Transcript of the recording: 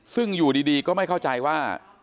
ซึ่งอยู่ดีก็ไม่เข้าใจว่า